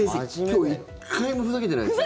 今日１回もふざけてないからね。